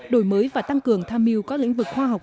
đổi mới và tăng cường tham mưu các lĩnh vực khoa học